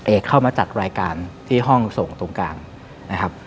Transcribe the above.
เข้ามาจัดรายการที่ห้องส่งตรงกลางนะครับ